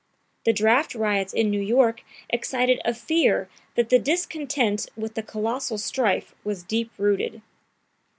The draft riots in New York excited a fear that the discontent with the colossal strife was deep rooted.